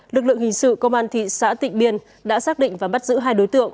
lực lượng hình sự công an thị xã tịnh biên đã xác định và bắt giữ hai đối tượng